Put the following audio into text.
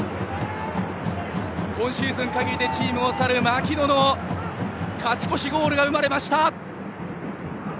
今シーズン限りでチームを去る槙野の勝ち越しゴールが生まれました！